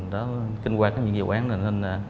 đó kinh hoạt các nhiệm vụ án này nên là